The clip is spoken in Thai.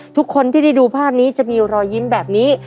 ทุกคนที่ได้ดูภาพนี้จะมีรอยยิ้มแบบนี้